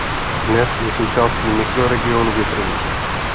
Dnes je součástí mikroregionu Větrník.